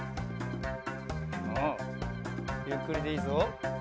おおゆっくりでいいぞ。